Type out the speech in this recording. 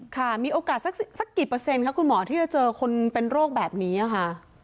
ค่ะมีโอกาสสักกี่เปอร์เซ็นค่ะคุณหมอที่จะเจอคนเป็นโรคแบบนี้ค่ะ